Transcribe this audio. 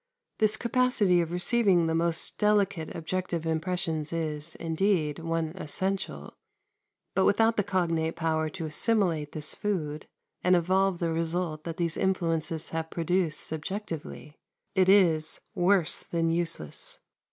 This capacity of receiving the most delicate objective impressions is, indeed, one essential; but without the cognate power to assimilate this food, and evolve the result that these influences have produced subjectively, it is, worse than useless.